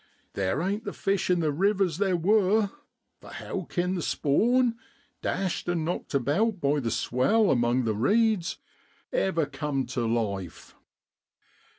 Theer ain't the fish in the rivers theer wor, for how kin the spawn, dashed an' knocked about by the swell among the reeds, ever cum tu life?